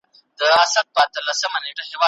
د واده د شپو او ورځو اړوند ځيني مهمي لارښووني.